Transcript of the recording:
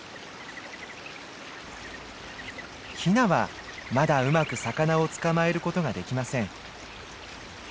ヒナはまだうまく魚を捕まえることができません。